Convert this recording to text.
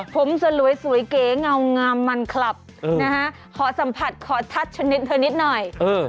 ผมสลวยเก๋เงางามมันขลับขอสัมผัสขอทัชเธอนิดหน่อย